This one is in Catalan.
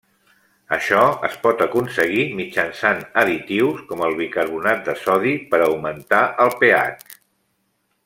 Això es pot aconseguir mitjançant additius com el bicarbonat de sodi per augmentar el pH.